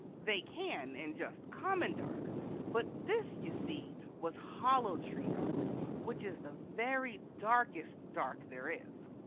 They can in just common dark, but this, you see, was hollow tree dark, which is the very darkest dark there is.